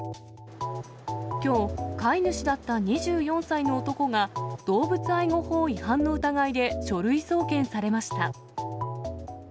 きょう、飼い主だった２４歳の男が、動物愛護法違反の疑いで書類送検されました。